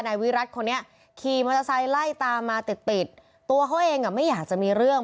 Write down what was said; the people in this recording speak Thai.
นายวิรัติคนนี้ขี่มอเตอร์ไซค์ไล่ตามมาติดติดตัวเขาเองอ่ะไม่อยากจะมีเรื่อง